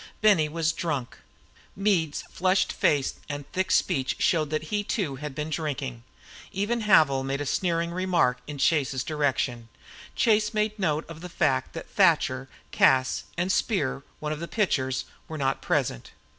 Benny was drunk. Meade's flushed face and thick speech showed that he, too, had been drinking. Even Havil made a sneering remark in Chase's direction. Chase made note of the fact that Thatcher, Cas, and Speer, one of the pitchers, were not present.